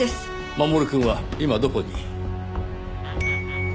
守くんは今どこに？